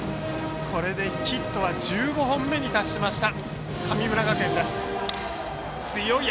これでヒットは１５本目に達した神村学園。